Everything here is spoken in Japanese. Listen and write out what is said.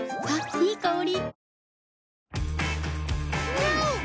いい香り。